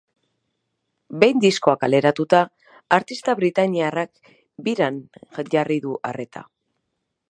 Behin diskoa kaleratuta, artista britainiarrak biran jarri du arreta.